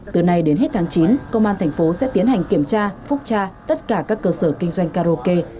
từ nay đến hết tháng chín công an thành phố sẽ tiến hành kiểm tra phúc tra tất cả các cơ sở kinh doanh karaoke